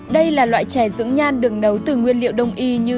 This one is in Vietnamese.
đây là loại chè dưỡng nhan đường nấu từ nguyên liệu đông y như